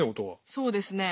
そうですね。